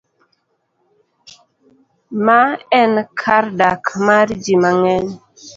Ma enkardak mar ji mang'eny